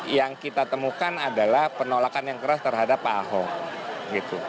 yang kita temukan adalah penolakan yang keras terhadap pak ahok